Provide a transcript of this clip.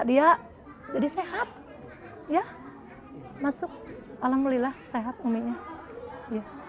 dia jadi sehat ya masuk alhamdulillah sehat uminya